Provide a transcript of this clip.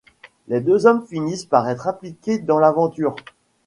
Les deux hommes finissent par être impliqués dans l'aventure.